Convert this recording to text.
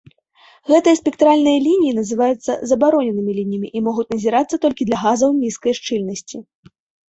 Гэтыя спектральныя лініі называюцца забароненымі лініямі і могуць назірацца толькі для газаў нізкай шчыльнасці.